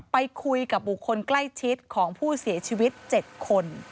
ไปคุยกับบุคคลใกล้ชิดของผู้เสียชีวิต๗คน